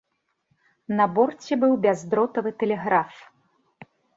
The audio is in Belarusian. На борце быў бяздротавы тэлеграф.